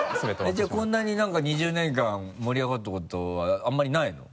じゃあこんなに２０年間盛り上がったことはあんまりないの？